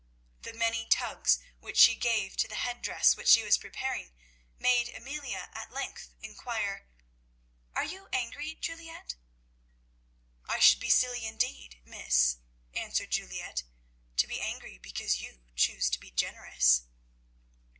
The many tugs which she gave to the head dress she was preparing made Amelia at length inquire "Are you angry, Juliette?" "I should be silly indeed, miss," answered Juliette; "to be angry because you choose to be generous."